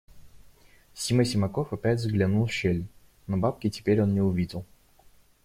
Сима Симаков опять заглянул в щель, но бабки теперь он не увидел.